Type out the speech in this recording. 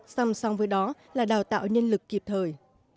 xong xong với đó là đào tạo nhân lực kịp thời